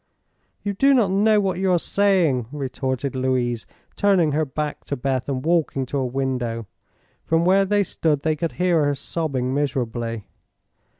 "You do not know what you are saying," retorted Louise, turning her back to Beth and walking to a window. From where they stood they could hear her sobbing miserably.